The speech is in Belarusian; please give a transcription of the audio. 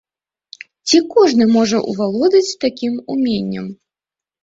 Ці кожны можа авалодаць такім уменнем?